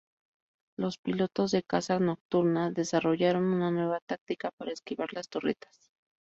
Los pilotos de caza nocturna desarrollaron una nueva táctica para esquivar las torretas.